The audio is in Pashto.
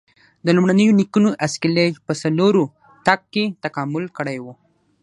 د لومړنیو نیکونو اسکلیټ په څلورو تګ کې تکامل کړی و.